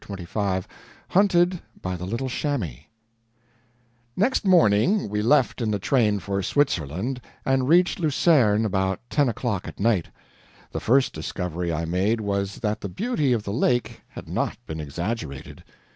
CHAPTER XXV [Hunted by the Little Chamois] Next morning we left in the train for Switzerland, and reached Lucerne about ten o'clock at night. The first discovery I made was that the beauty of the lake had not been exaggerated.